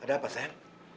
berita ada apa sayang